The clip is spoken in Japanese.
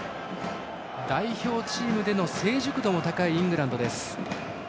代表チームでの成熟度の高いイングランドです。